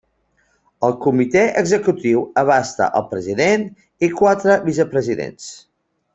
El comitè executiu abasta al president i quatre vicepresidents.